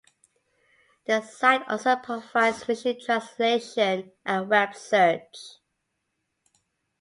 The site also provides machine translation and web search.